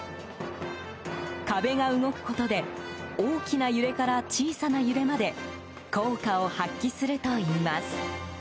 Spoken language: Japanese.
壁が動くことで大きな揺れから小さな揺れまで効果を発揮するといいます。